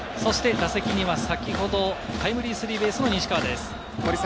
打席には先ほどタイムリースリーベースの西川です。